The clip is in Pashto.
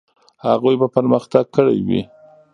هغوی به پرمختګ کړی وي.